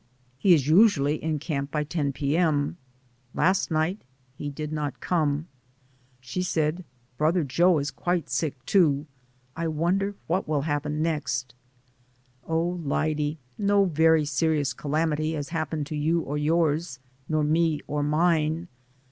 He is usually in camp by 10 p. M. Last night he did not come. She said, "Brother Joe is quite sick, too. I won der what will happen next ?" "Oh, Lyde, no very serious calamity has happened to you or yours, nor me or mine.